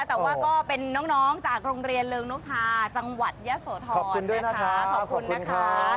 แต่ว่าก็เป็นน้องจากโรงเรียนเริงนกทาจังหวัดยะโสธรนะคะขอบคุณนะคะ